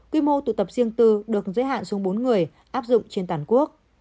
quy mô tụ tập riêng tư được giới hạn xuống bốn người áp dụng trên toàn quốc